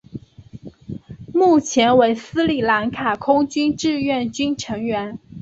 目前为斯里兰卡空军志愿军成员。